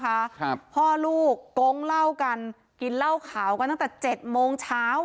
ครับพ่อลูกโก๊งเหล้ากันกินเหล้าขาวกันตั้งแต่เจ็ดโมงเช้าอ่ะ